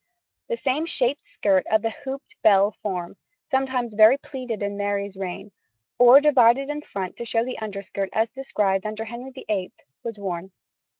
The same shaped skirt of the hooped bell form (sometimes very pleated in Mary's reign) or divided in front to show the underskirt as described under Henry VIII, was worn.